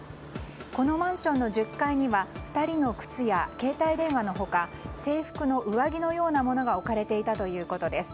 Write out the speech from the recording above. このマンションの１０階には２人の靴や携帯電話の他制服の上着のようなものが置かれていたということです。